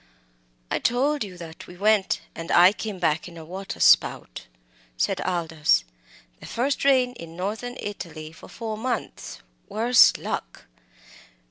"I told you that we went and I came back in a water spout," said Aldous; "the first rain in Northern Italy for four months worse luck!